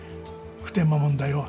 普天間問題を。